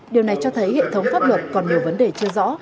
điều này cho thấy hệ thống pháp luật còn nhiều vấn đề chưa rõ